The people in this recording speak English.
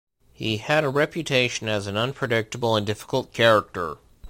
He had a reputation as an unpredictable and difficult character.